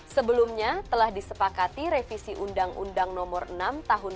sebelumnya telah disepakati revisi undang undang non penggunaan dan kegiatan kekuasaan desa